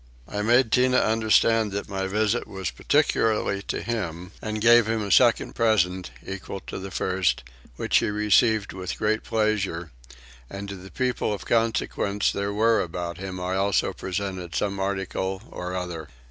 I made Tinah understand that my visit was particularly to him, and gave him a second present, equal to the first, which he received with great pleasure; and to the people of consequence that were about him I also presented some article or other.